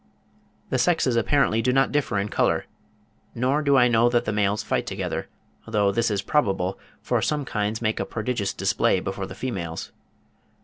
The sexes apparently do not differ in colour; nor do I know that the males fight together, though this is probable, for some kinds make a prodigious display before the females.